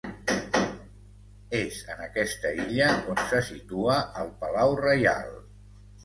És en aquesta illa on se situa el palau reial.